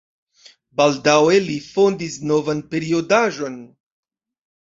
Baldaŭe li fondis novan periodaĵon.